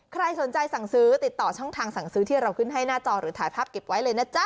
ใครสนใจสั่งซื้อติดต่อช่องทางสั่งซื้อที่เราขึ้นให้หน้าจอหรือถ่ายภาพเก็บไว้เลยนะจ๊ะ